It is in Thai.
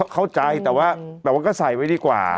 เข้าใจแต่ว่าแบบว่าก็ใส่ไว้ดีกว่า